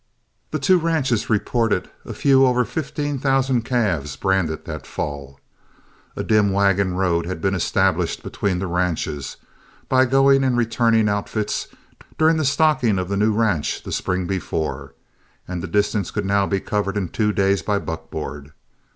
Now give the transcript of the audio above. The two ranches reported a few over fifteen thousand calves branded that fall. A dim wagon road had been established between the ranches, by going and returning outfits during the stocking of the new ranch the spring before, and the distance could now be covered in two days by buckboard.